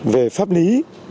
về pháp lý